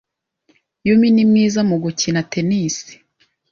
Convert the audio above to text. Yumi ni mwiza mu gukina tennis.